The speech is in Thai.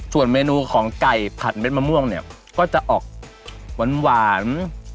ส่วนเมนูของไก่ผัดเด็ดมะม่วงเนี่ยก็จะออกหวาน